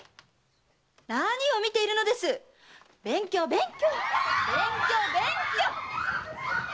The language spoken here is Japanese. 何を見ているのです⁉勉強勉強！